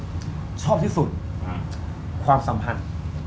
ผมชอบที่สุดความสัมพันธ์